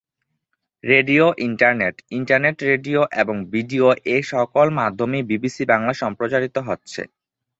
Radio, internet, internet radio এবং video এ সকল মাধ্যমেই বিবিসি বাংলা সম্প্রচারিত হচ্ছে।